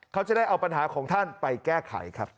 เขาจะได้เอาปัญหาของท่านไปแก้ไขครับ